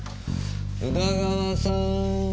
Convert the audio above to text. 宇田川さーん。